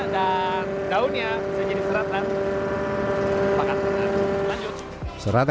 dan daunnya bisa jadi serat kan